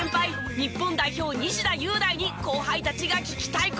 日本代表西田優大に後輩たちが聞きたい事。